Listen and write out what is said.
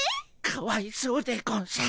かわいそうでゴンス。